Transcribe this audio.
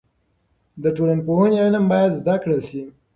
د ټولنپوهنې علم باید زده کړل سي.